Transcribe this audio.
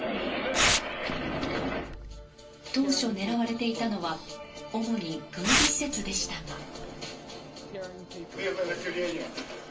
当初、狙われていたのは主に軍事施設でしたが。